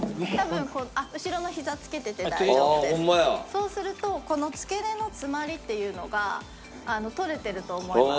そうするとこの付け根のつまりっていうのが取れてると思います。